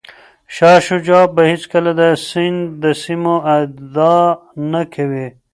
شاه شجاع به هیڅکله د سند د سیمو ادعا نه کوي.